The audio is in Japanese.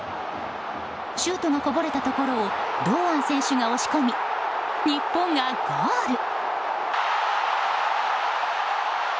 シュートがこぼれたところを堂安選手が押し込み日本がゴール！